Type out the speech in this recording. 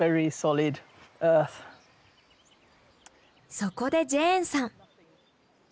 そこでジェーンさん。